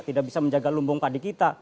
tidak bisa menjaga lumbung padi kita